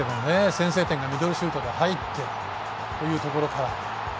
先制点がミドルシュートで入ってというところから。